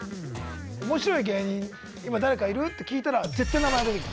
おもしろい芸人、今誰かいる？って聞いたら、絶対名前出てくる。